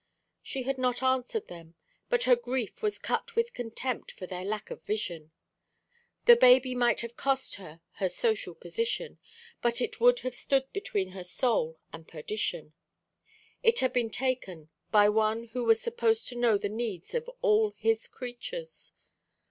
She had not answered them; but her grief was cut with contempt for their lack of vision. The baby might have cost her her social position, but it would have stood between her soul and perdition. It had been taken by One who was supposed to know the needs of all His creatures.